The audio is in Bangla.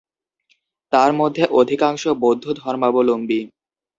তার মধ্যে অধিকাংশ বৌদ্ধ ধর্মাবলম্বী।